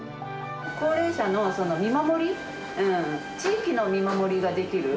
高齢者の見守り、地域の見守りができる。